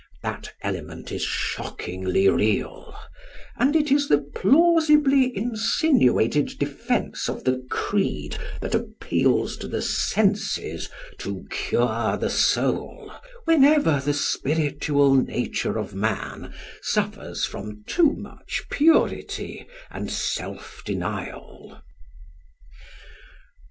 That element is shockingly real, and it is the plausibly insinuated defence of the creed that appeals to the senses "to cure the soul" whenever the spiritual nature of man suffers from too much purity and self denial.